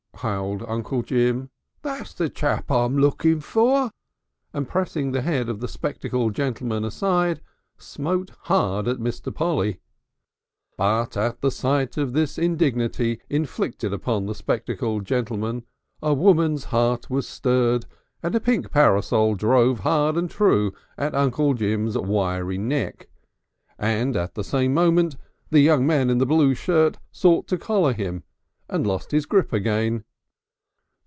howled Uncle Jim. "That's the chap I'm looking for!" and pressing the head of the spectacled gentleman aside, smote hard at Mr. Polly. But at the sight of this indignity inflicted upon the spectacled gentleman a woman's heart was stirred, and a pink parasol drove hard and true at Uncle Jim's wiry neck, and at the same moment the young man in the blue shirt sought to collar him and lost his grip again.